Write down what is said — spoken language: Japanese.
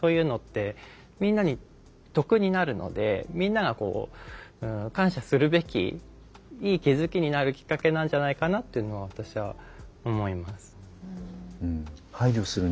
みんなに得になるのでみんなが感謝するべきいい気付きになるきっかけなんじゃないかなっていうのは私は思います。